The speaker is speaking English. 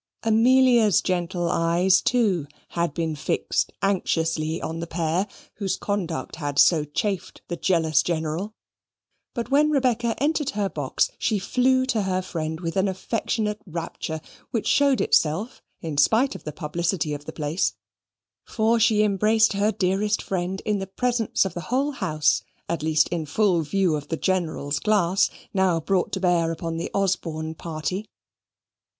Amelia's gentle eyes, too, had been fixed anxiously on the pair, whose conduct had so chafed the jealous General; but when Rebecca entered her box, she flew to her friend with an affectionate rapture which showed itself, in spite of the publicity of the place; for she embraced her dearest friend in the presence of the whole house, at least in full view of the General's glass, now brought to bear upon the Osborne party.